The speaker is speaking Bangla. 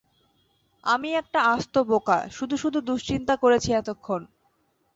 আমি একটা আস্ত বোকা, শুধু শুধু দুঃশ্চিন্তা করেছি এতক্ষণ।